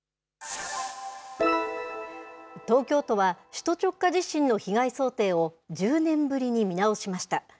東京都は、首都直下地震の被害想定を、１０年ぶりに見直しました。